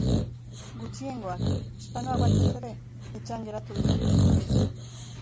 Gutxiengoak, hispanoak batez ere, etxean geratu dira.